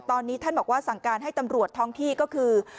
ตอนนี้ท่านบอกว่าสั่งการให้ตำรวจท้องที่ก็คือ